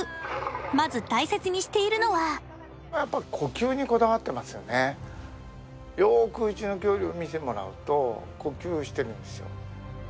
まず大切にしているのはやっぱよくうちの恐竜見てもらうと呼吸してるんですよ